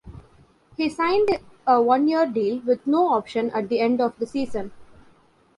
He signed a one-year deal with no option at the end of the season.